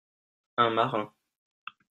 Un marin.